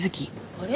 あれ？